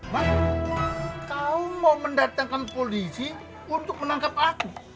bahwa kau mau mendatangkan polisi untuk menangkap aku